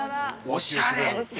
おしゃれ。